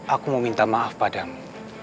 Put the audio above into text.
aku mau minta maaf padamu